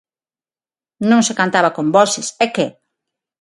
Non se cantaba con voces, e que?